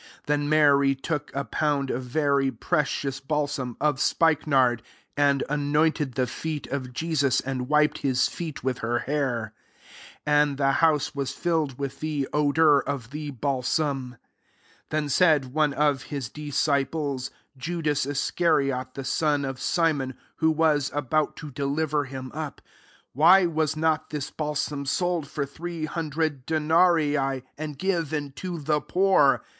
3 Then Mary took a pound of very precious balsam of spikenard, and a nointed the feet of Jesus, and wiped his feet with her hair : and the house was filled with the odour of the balsam. 4 Then said one of his dis ciples, Judas Iscariot, rthe son of Simon,] who was about to deliver him up, 5 " Why was not this balsam sold for three hundred denarii,* and given to the poor?"